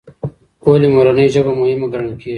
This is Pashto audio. ولې مورنۍ ژبه مهمه ګڼل کېږي؟